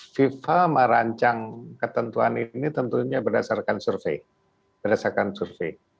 fifa merancang ketentuan ini tentunya berdasarkan survei